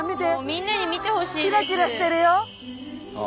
みんなに見てほしいです。